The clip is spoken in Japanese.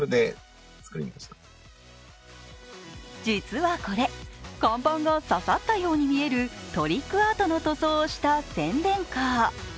実はこれ、看板が刺さったように見えるトリックアートの塗装をした宣伝カー。